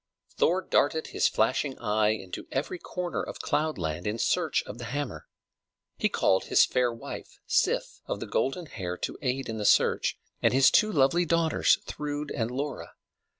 Thor darted his flashing eye into every corner of Cloud Land in search of the hammer. He called his fair wife, Sif of the golden hair, to aid in the search, and his two lovely daughters, Thrude and Lora.